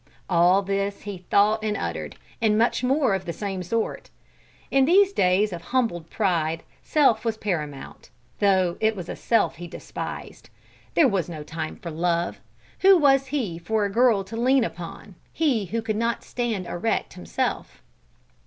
All this he thought and uttered, and much more of the same sort. In these days of humbled pride self was paramount, though it was a self he despised. There was no time for love. Who was he for a girl to lean upon? he who could not stand erect himself!